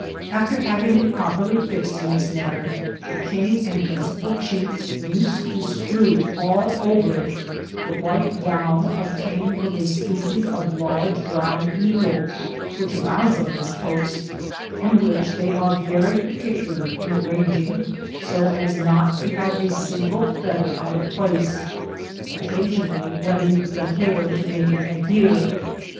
After hav ing it properly fixed in this manner, the king and principal chiefs' used to strew all over it the white down obtained from a species of large brown eagle, which abounds on this coast, and which they are very particular in arranging so as not io have a single feather out of place, occasionally wetting the hair to make it adhere.